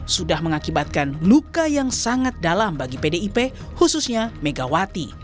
sudah mengakibatkan luka yang sangat dalam bagi pdip khususnya megawati